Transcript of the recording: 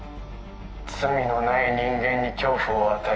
罪のない人間に恐怖を与え